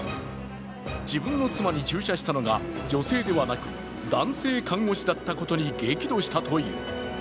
自分の妻に注射したのが女性ではなく男性看護師だったことに激怒したという。